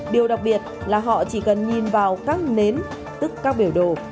điều đặc biệt là họ chỉ cần nhìn vào các nến tức các biểu đồ